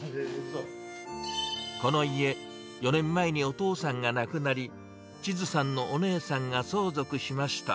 この家、４年前にお父さんが亡くなり、千都さんのお姉さんが相続しました。